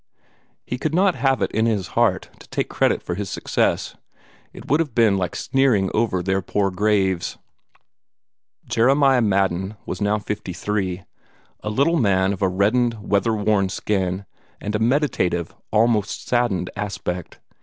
He could not have it in his heart to take credit for his success; it would have been like sneering over their poor graves. Jeremiah Madden was now fifty three a little man of a reddened, weather worn skin and a meditative, almost saddened, aspect.